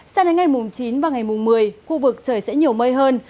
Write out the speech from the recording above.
sao đến ngày chín và ngày một mươi khu vực trời sẽ nhiều mây hơn